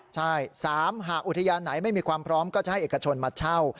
ใช่๓หากอุทยานไหนไม่มีความพร้อมก็จะให้เอกชนมาเช่า